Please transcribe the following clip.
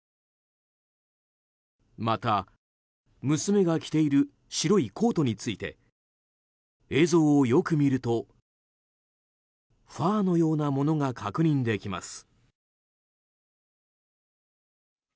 また、娘が着ている白いコートについて映像をよく見るとファーのようなものが確認できます。